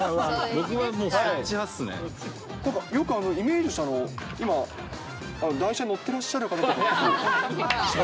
僕はもう、よくイメージしたのは、今、あの台車に乗ってらっしゃる方とか。